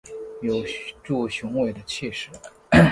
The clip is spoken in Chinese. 有著雄伟的气势